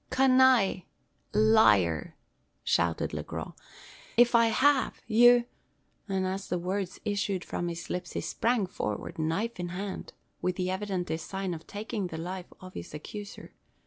"Canaille! liar!" shouted Le Gros; "if I have, you " And as the words issued from his lips he sprang forward, knife in hand, with the evident design of taking the life of his accuser.